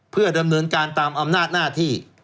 เพื่อดำเนินการตามอำนาจหน้าที่